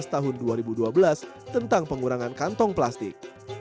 tahun dua ribu dua belas tentang pengurangan kantong plastik